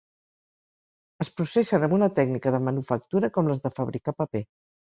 Es processen amb una tècnica de manufactura com les de fabricar paper.